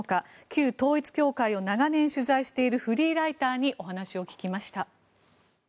旧統一教会を長年取材しているフリーライターにお話を聞きました。